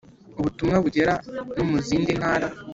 Ubutumwa bugera no mu zindi ntara